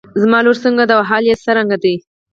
زما لور څنګه ده او حال يې څرنګه دی.